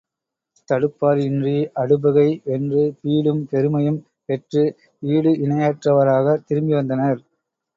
தடுப்பார் இன்றி அடுபகை வென்று பீடும் பெருமையும் பெற்று ஈடு இணையற்றவராகத் திரும்பிவந்தனர்.